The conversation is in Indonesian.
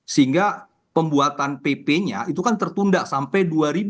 sehingga pembuatan pp nya itu kan tertunda sampai dua ribu dua puluh